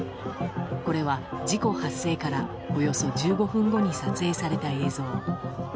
これは、事故発生からおよそ１５分後に撮影された映像。